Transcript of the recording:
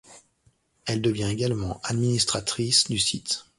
Elle devient également administratrice du site.